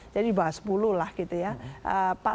jadi di bawah sepuluh lah gitu ya